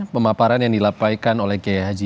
pemaparan yang dilapaikan oleh